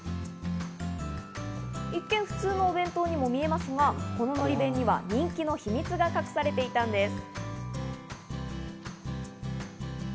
一見、普通のお弁当にも見えますが、こののり弁には人気の秘密が隠されていたんです。